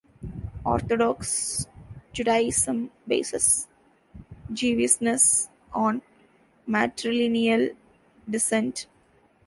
Orthodox Judaism bases Jewishness on matrilineal descent.